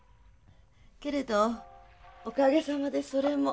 けれどおかげさまでそれも。